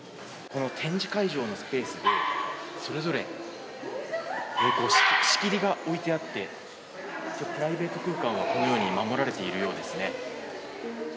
この展示会場のスペースで、それぞれ仕切りが置いてあってプライベート空間はこのように守られているようですね。